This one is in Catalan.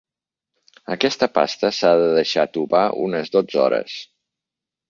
Aquesta pasta s'ha de deixar tovar unes dotze hores.